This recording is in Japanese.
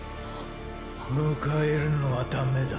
迎えるのはだめだ。